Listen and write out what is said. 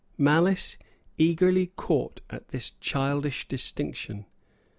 Malice eagerly caught at this childish distinction.